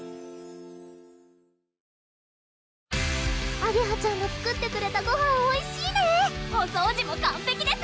あげはちゃんの作ってくれたごはんおいしいねお掃除も完璧です！